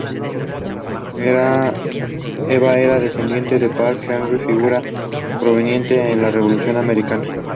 Evan era descendiente de Patrick Henry, figura prominente en la Revolución americana.